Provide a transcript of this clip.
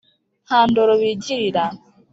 nta ndoro bigirira